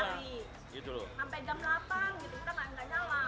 sampai jam delapan kan nggak nyala